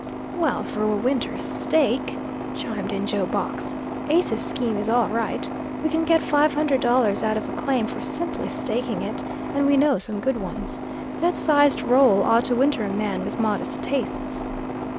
"Well, for a winter's stake," chimed in Joe Box, "Ace's scheme is all right. We can get five hundred dollars out of a claim for simply staking it, and we know some good ones. That sized roll ought to winter a man with modest tastes."